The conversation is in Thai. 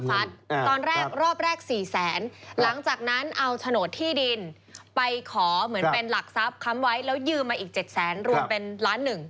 ตอนแรกรอบแรก๔แสนหลังจากนั้นเอาโฉนดที่ดินไปขอเหมือนเป็นหลักทรัพย์ค้ำไว้แล้วยืมมาอีก๗แสนรวมเป็นล้านหนึ่ง